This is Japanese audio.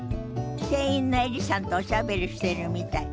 店員のエリさんとおしゃべりしてるみたい。